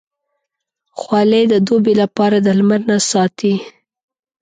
خولۍ د دوبې لپاره د لمر نه ساتي.